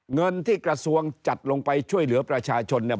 เงินที่กระทรวงจัดลงไปช่วยเหลือประชาชนเนี่ย